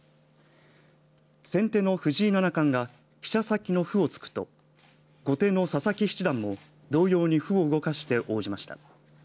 先手の藤井七冠が飛車先の歩を突くと後手の佐々木七段も同様に歩を動かして応じました。